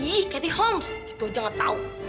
ih kathy holmes gitu aja gak tau